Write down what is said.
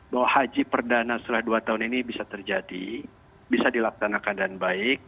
bahwa haji perdana setelah dua tahun ini bisa terjadi bisa dilaksanakan dengan baik